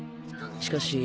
しかし。